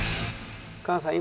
菅さん。